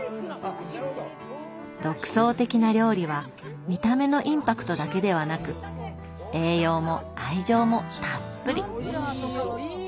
独創的な料理は見た目のインパクトだけではなく栄養も愛情もたっぷり。